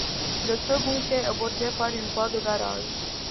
Le second quai est bordé par une voie de garage.